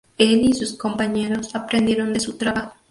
Él y sus compañeros aprendieron de su trabajo.